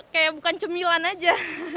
kayak bukan cemilan aja